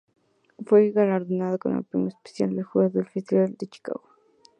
Fue galardonada con el premio especial del jurado en el Festival de Chicago.